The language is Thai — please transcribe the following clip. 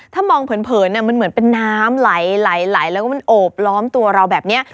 ถ้ามองเผินมันเหมือนเป็นน้ำไหลแล้วก็มันโอบล้อมตัวเราแบบนี้